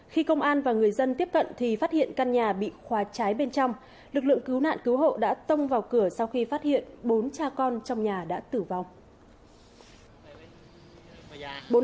khi công an và người dân tiếp cận thì phát hiện căn nhà bị khóa cháy bên trong lực lượng cứu nạn cứu hộ đã tông vào cửa sau khi phát hiện bốn cha con trong nhà đã tử vong